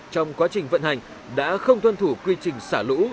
trong quá trình vận hành đã không tuân thủ quy trình xả lũ